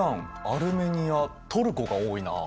アルメニアトルコが多いな。